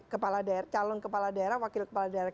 kepala daerah calon kepala daerah wakil kepala daerah